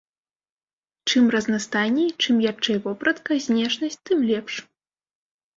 Чым разнастайней, чым ярчэй вопратка, знешнасць, тым лепш.